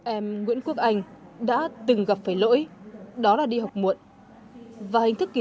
em nguyễn quốc anh đã từng gặp phải lỗi đó là đi học muộn